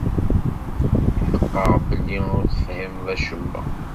Ttḥeqqeɣ belli ur tefhimeḍ acemma.